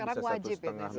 sekarang wajib itu